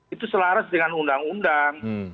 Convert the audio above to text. itu selaras dengan undang undang